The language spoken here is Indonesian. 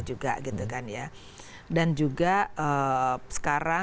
dan juga sekarang kriteria